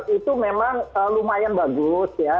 itu memang lumayan bagus ya